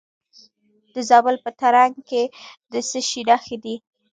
د زابل په ترنک کې د څه شي نښې دي؟